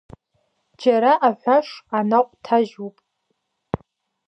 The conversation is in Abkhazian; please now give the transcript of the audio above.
Џьара аҳәаш анаҟә ҭажьуп.